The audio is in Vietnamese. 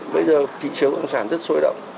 bây giờ kinh chế bất động sản rất sôi động